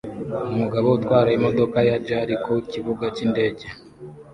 Umugabo utwara imodoka ya JAL ku kibuga cyindege